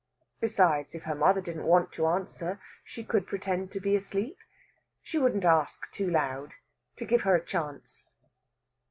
Besides, if her mother didn't want to answer, she could pretend to be asleep. She wouldn't ask too loud, to give her a chance.